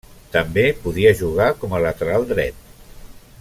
També podia jugar com a lateral dret.